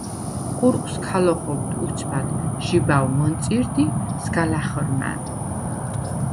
ყურყვს ქა ლოხობდ უცბად ჟიბავ მჷნწირდ ი ისგა ლა̈ხჷრმან.